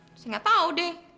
saya enggak tahu deh